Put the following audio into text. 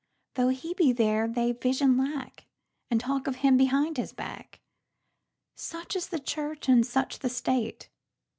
Though he be there, they vision lack, And talk of him behind his back. Such is the Church and such the State.